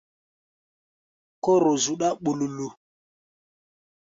Kóro zuɗá ɓululu.